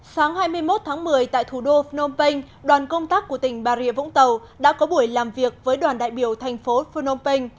sáng hai mươi một tháng một mươi tại thủ đô phnom penh đoàn công tác của tỉnh bà rịa vũng tàu đã có buổi làm việc với đoàn đại biểu thành phố phnom penh